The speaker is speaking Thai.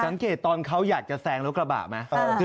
สังเกตตอนเขาอยากจะแซงรถกระบะไหม